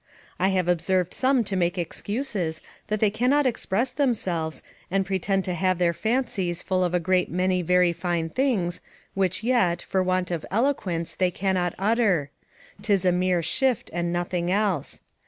I have observed some to make excuses, that they cannot express themselves, and pretend to have their fancies full of a great many very fine things, which yet, for want of eloquence, they cannot utter; 'tis a mere shift, and nothing else.